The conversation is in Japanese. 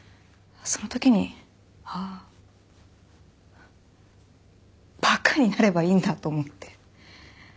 その時にああ馬鹿になればいいんだと思って。